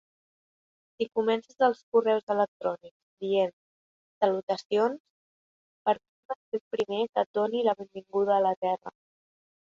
Si comences els correus electrònics dient "Salutacions", permet-me ser el primer que et doni la benvinguda a la Terra.